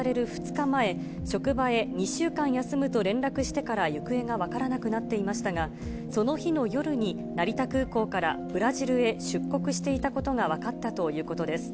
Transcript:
２日前、職場へ２週間休むと連絡してから行方が分からなくなっていましたが、その日の夜に、成田空港からブラジルへ出国していたことが分かったということです。